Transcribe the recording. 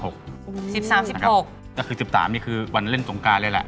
ก็คือ๑๓นี่คือวันเล่นสงการเลยแหละ